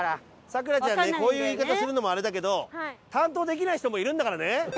咲楽ちゃんねこういう言い方するのもあれだけど担当できない人もいるんだからね。